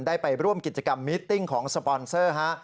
ได้ไปร่วมกิจกรรมมิตติ้งของสปอนเซอร์ฮะ